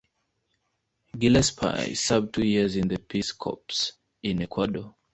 Gillespie served two years in the Peace Corps in Ecuador.